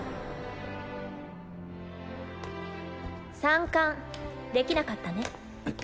三冠できなかったね。